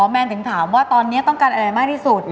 แมนถึงถามว่าตอนนี้ต้องการอะไรมากที่สุด